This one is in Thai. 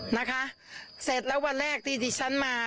นะคะเสร็จแล้ววันแรกที่ที่ฉันมา